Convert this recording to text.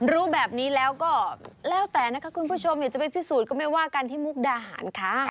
รู้แบบนี้แล้วก็แล้วแต่นะคะคุณผู้ชมอยากจะไปพิสูจน์ก็ไม่ว่ากันที่มุกดาหารค่ะ